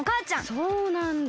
そうなんだ。